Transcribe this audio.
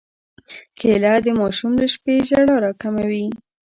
کېله د ماشوم له شپې ژړا راکموي.